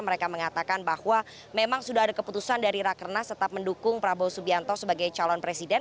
mereka mengatakan bahwa memang sudah ada keputusan dari rakernas tetap mendukung prabowo subianto sebagai calon presiden